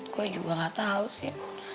gue juga gak tahu sih